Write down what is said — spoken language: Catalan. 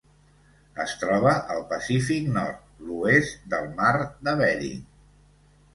Es troba al Pacífic nord: l'oest del Mar de Bering.